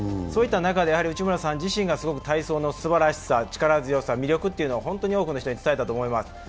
そういった中で内村さん自身が体操のすばらしさ、力強さ、魅力というのを本当に多くの人に伝えたと思います。